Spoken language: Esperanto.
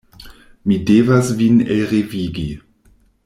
Mi devas vin elrevigi.